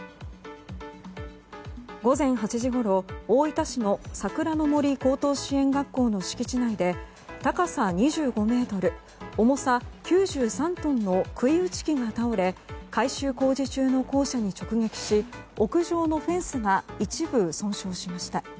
午前８時ごろ、大分市のさくらの杜高等支援学校の敷地内で高さ２５ｍ、重さ９３トンの杭打ち機が倒れ改修工事中の校舎に直撃し屋上のフェンスが一部損傷しました。